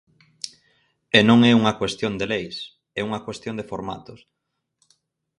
E non é unha cuestión de leis, é unha cuestión de formatos.